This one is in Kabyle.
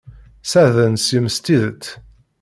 Sserḍen seg-m s tidet.